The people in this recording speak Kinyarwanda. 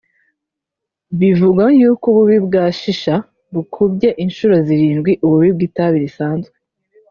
Bivugwa yuko ububi bwa shisha bukubye incuro zirindwi ububi bw’itabi risanzwe